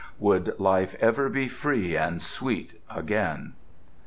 Would life ever be free and sweet again?